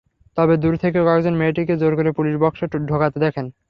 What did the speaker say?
তবে দূর থেকে কয়েকজন মেয়েটিকে জোর করে পুলিশ বক্সে ঢোকাতে দেখেন।